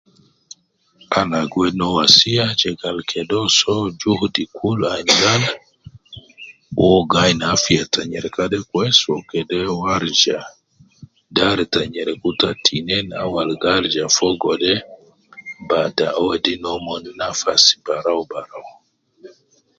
Ana gi wedi no wasiya je gal kede uwo soo juhudi kul adala, uwo gi ayin afiya te nyereka de kwesi wu kede uwo arija dar te nyereku ta tinin au al gi arija fogo de, bada uwo wedi nomon nafas barau barau